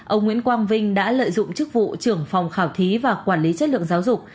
ông nguyễn quang vinh đã lợi dụng chức vụ trưởng phòng khảo thí và quản lý chất lượng giáo dục